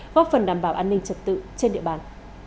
góp phần đảm bảo an ninh trật tự trên địa bàn